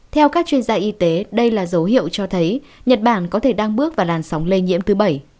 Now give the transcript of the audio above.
theo các chuyên gia y tế đây là dấu hiệu cho thấy nhật bản có thể đang bước vào làn sóng lây nhiễm thứ bảy